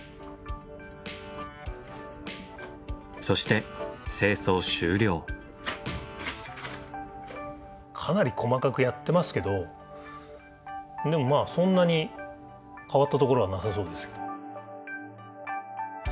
そしてかなり細かくやってますけどでもまあそんなに変わったところはなさそうですけど。